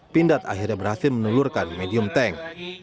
pindad akhirnya berhasil menelurkan medium tank